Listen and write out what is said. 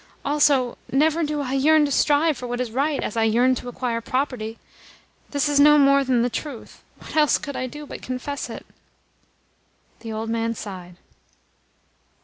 Also, never do I yearn to strive for what is right as I yearn to acquire property. This is no more than the truth. What else could I do but confess it?" The old man sighed.